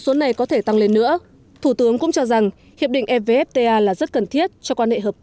số này có thể tăng lên nữa thủ tướng cũng cho rằng hiệp định evfta là rất cần thiết cho quan hệ hợp tác